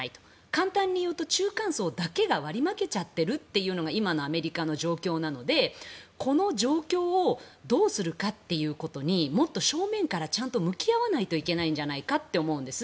簡単に言うと中間層だけが割り負けちゃってるというのが今のアメリカの状況なのでこの状況をどうするかということにもっと正面からちゃんと向き合わないといけなんじゃないかと思うんです。